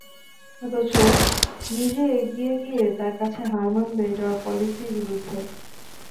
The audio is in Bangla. অথচ নিজে এগিয়ে গিয়ে তার কাছে হার মানবে এটা ওর পলিসি-বিরুদ্ধ।